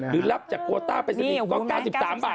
หรือรับจากกวอต้าไปสนิทก็๙๓บาทราคา